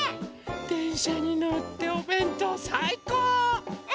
でんしゃにのっておべんとうさいこう！